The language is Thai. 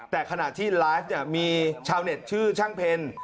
แต่ขณะที่ไลฟ์เนี่ยมีชาวเน็ตชื่อช่างเพล